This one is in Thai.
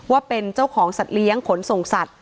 ว่าเป็นเจ้าของสัตว์เลี้ยงขนส่งสัตว